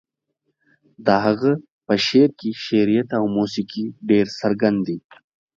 د هغه په شعر کې شعريت او موسيقي ډېر څرګند دي.